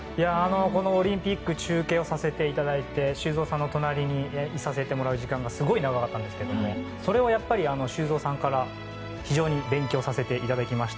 このオリンピック中継をさせていただいて修造さんの隣にいさせてもらう時間がすごい長かったんですけどそれをやっぱり修造さんから非常に勉強させていただきました。